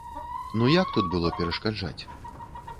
Ну, як тут было перашкаджаць?!